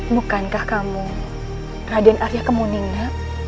bukankah kamu raden arya kemuningnya